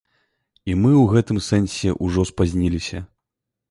І мы ў гэтым сэнсе ўжо спазніліся.